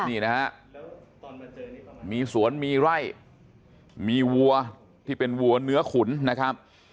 นี่นะฮะมีสวนมีไร่มีวัวที่เป็นวัวเนื้อขุนนะครับ